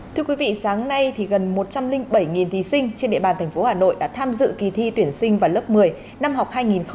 thưa quý vị sáng nay gần một trăm linh bảy thí sinh trên địa bàn thành phố hà nội đã tham dự kỳ thi tuyển sinh vào lớp một mươi năm học hai nghìn hai mươi hai nghìn hai mươi một